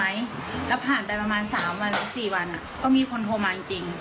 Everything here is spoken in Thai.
แล้วผ่านไปประมาณ๓วันหรือ๔วันก็มีคนโทรมาจริง